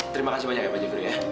terima kasih banyak pak jeffrey ya